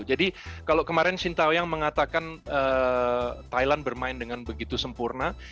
jadi kalau kemarin shin tao yang mengatakan thailand bermain dengan begitu sempurna